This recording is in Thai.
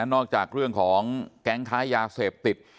นอกจากเรื่องของแก๊งค้ายาเสพติด